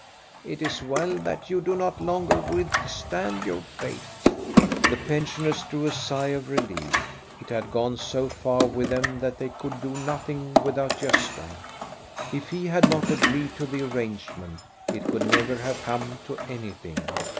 " It is well that you do not longer withstand your fate." (S CHRISTMAS EVE 4? The pensioners drew a sigh of relief. It had gone so far with them that they could do nothing without Gosta. If he had not agreed to the arrangement it could never have come to anything.